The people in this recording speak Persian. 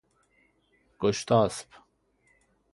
گشتاسپ